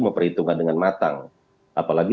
memperhitungkan dengan matang apalagi